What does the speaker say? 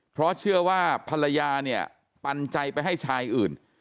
เพราะเชื่อว่าภรรยาเนี่ยปันใจไปให้ชายอื่น